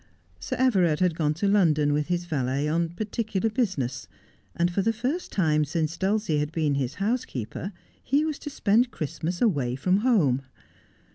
Sir Everard had gone to London with his valet, on particular business ; and for the first time since Dulcie had been his housekeeper he was to spend Christmas away from home.